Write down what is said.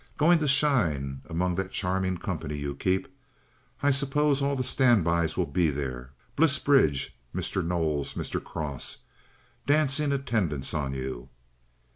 "Going to shine among that charming company you keep! I suppose all the standbys will be there—Bliss Bridge, Mr. Knowles, Mr. Cross—dancing attendance on you?"